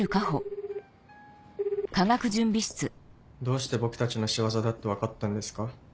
どうして僕たちの仕業だって分かったんですか？